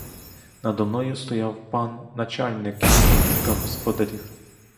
Надо мною стояв пан начальник і декілька господарів.